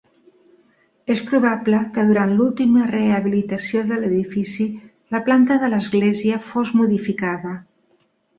És probable que durant l'última rehabilitació de l'edifici, la planta de l'església fos modificada.